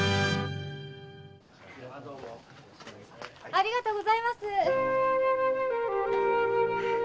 ありがとうございます！